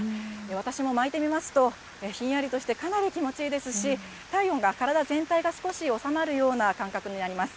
私も巻いてみますと、ひんやりとして、かなり気持ちいいですし、体温が体全体が、少し収まるような感覚になります。